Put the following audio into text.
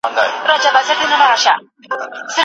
ايا تاسو د اقتصادي ودي په مانا پوهېږئ؟